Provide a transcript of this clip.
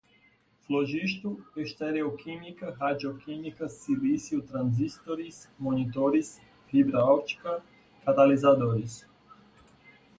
flogisto, estereoquímica, radioquímica, silício, transistores, monitores, fibra óptica, catalisadores